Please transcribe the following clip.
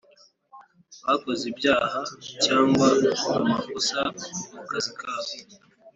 bakoze ibyaha cyangwa amakosa mu kazi kabo